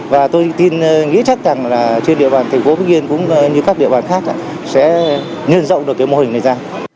và tôi tin nghĩ chắc rằng trên địa bàn thành phố vịnh yên cũng như các địa bàn khác sẽ nhân rộng được mô hình này ra